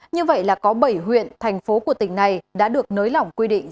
như vậy là có bảy huyện thành phố của tỉnh này đã được nới lỏng quy định